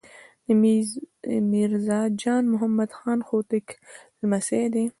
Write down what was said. د میرزا جان محمد خان هوتک لمسی دی.